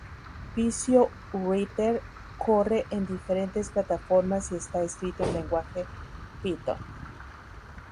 Visioo-Writer corre en diferentes plataformas y está escrito en lenguaje Python.